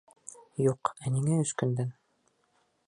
Юҡ, ә ниңә өс көндән?